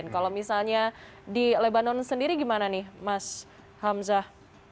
kalau misalnya di lebanon sendiri gimana nih mas hamzah